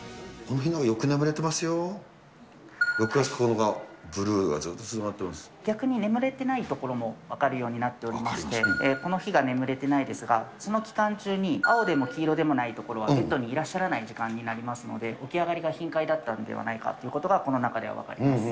６月９日、ブルーがずっとつなが逆に眠れてないところも分かるようになっておりまして、この日が眠れてないですが、その期間中に青でも黄色でもないところはベッドにいらっしゃらない時間になりますので、起き上がりが頻回だったのではないかというのがこの中で分かります。